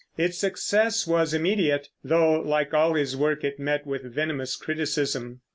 Its success was immediate, though, like all his work, it met with venomous criticism.